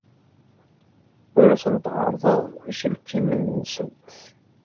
Ur asent-ɛerrḍeɣ iselkimen-nsent.